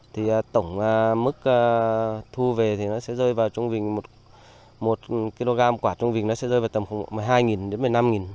thì tổng mức thu về thì nó sẽ rơi vào trung bình một kg quả trung bình nó sẽ rơi vào tầm khoảng một mươi hai đến một mươi năm